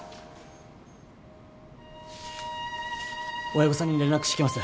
親御さんに連絡してきます。